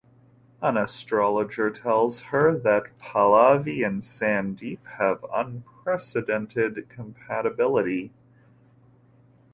An astrologer tells her that Pallavi and Sandeep have unprecedented compatibility.